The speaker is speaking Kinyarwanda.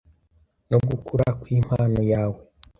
no gukura kw’impano yawe